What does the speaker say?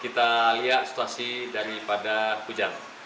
kita lihat situasi daripada hujan